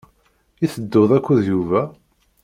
I tedduḍ akked Yuba?